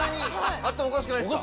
あっておかしくないすか？